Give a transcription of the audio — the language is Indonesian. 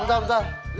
bentar bentar bentar